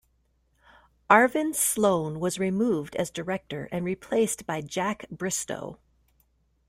Arvin Sloane was removed as director and replaced by Jack Bristow.